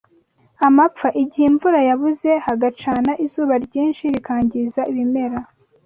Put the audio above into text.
Amapfa: igihe imvura yabuze hagacana izuba ryinshi rikangiza ibimera